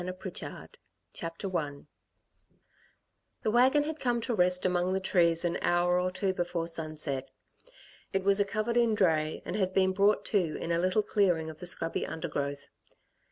PRICHARD CHAPTER I The wagon had come to rest among the trees an hour or two before sunset. It was a covered in dray, and had been brought to in a little clearing of the scrubby undergrowth.